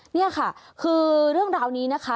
นี่ค่ะคือเรื่องราวนี้นะคะ